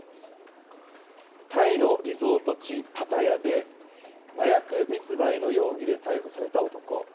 タイのリゾート地、パタヤで麻薬密売の容疑で逮捕された男。